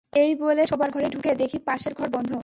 এই বলে শোবার ঘরে ঢুকে দেখি পাশের ঘর বন্ধ।